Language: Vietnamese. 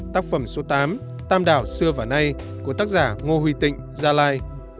tác phẩm số tám tam đảo xưa và nay của tác giả ngô huy tịnh gia lai